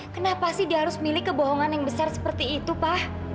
kenapa sih dia harus milih kebohongan yang besar seperti itu pak